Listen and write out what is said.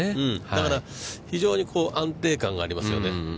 だから、非常に安定感がありますよね。